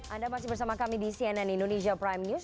anda masih bersama kami di cnn indonesia prime news